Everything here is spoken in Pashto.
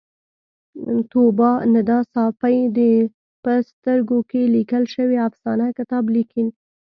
طوبا ندا ساپۍ د په سترګو کې لیکل شوې افسانه کتاب لیکلی